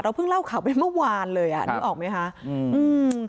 เพิ่งเล่าข่าวไปเมื่อวานเลยอ่ะนึกออกไหมคะอืมอืม